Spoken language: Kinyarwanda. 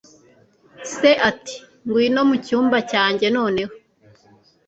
se ati 'ngwino mucyumba cyanjye noneho